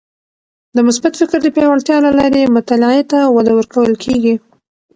د مثبت فکر د پیاوړتیا له لارې مطالعې ته وده ورکول کیږي.